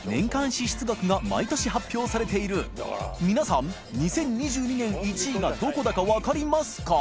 未莫峪拿亞曚毎年発表されている祿Г気２０２２年１位がどこだか分かりますか？